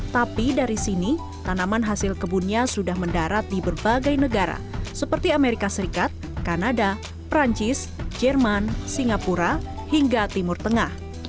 tapi dari sini tanaman hasil kebunnya sudah mendarat di berbagai negara seperti amerika serikat kanada perancis jerman singapura hingga timur tengah